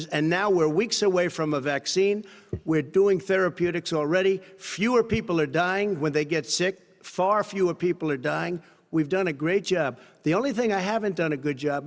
saya tidak akan membuat ventilator dan sekarang kita beberapa minggu dari vaksin kita sudah melakukan teraputik lebih kecil orang meninggal dunia ketika mereka sakit lebih kecil orang meninggal dunia